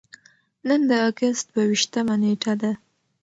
نن د اګست دوه ویشتمه نېټه ده.